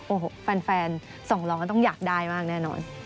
โอ้โหแฟน๒๐๐ก็ต้องอยากได้มากแน่นอน